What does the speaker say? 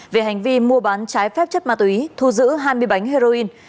về hành vi mua bán trái phép chất ma túy thu giữ hai mươi bánh heroin